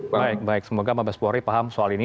baik baik semoga mabes polri paham soal ini